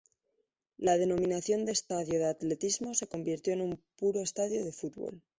La denominación de estadio de atletismo se convirtió en un puro estadio de fútbol.